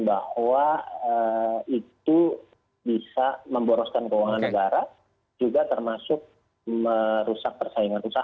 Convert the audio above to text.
bahwa itu bisa memboroskan keuangan negara juga termasuk merusak persaingan usaha